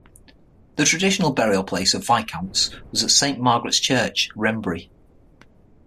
The traditional burial place of the viscounts was at Saint Margaret's Church, Wrenbury.